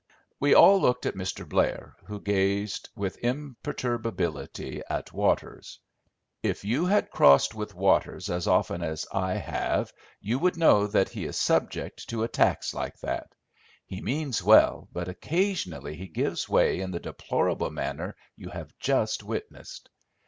We all looked at Mr. Blair, who gazed with imperturbability at Waters. "If you had all crossed with Waters as often as I have you would know that he is subject to attacks like that. He means well, but occasionally he gives way in the deplorable manner you have just witnessed.